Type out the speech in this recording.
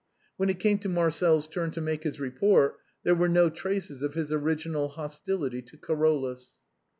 When it came to Marcel's turn to make his report, there were no traces of his original hostility to Carolus.